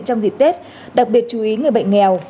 trong dịp tết đặc biệt chú ý người bệnh nghèo